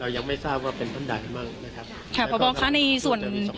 เรายังไม่ทราบว่าเป็นท่านใดมั้งนะครับค่ะพ่อพ่อค่ะในส่วน